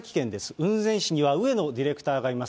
雲仙市には上野ディレクターがいます。